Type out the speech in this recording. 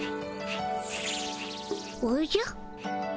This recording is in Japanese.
おじゃ。